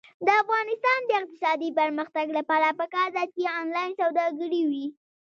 د افغانستان د اقتصادي پرمختګ لپاره پکار ده چې آنلاین سوداګري وي.